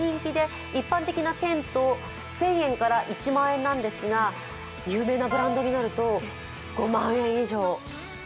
一般的なテント１０００円から１万円なんですが、有名なブランドになると５万円以上。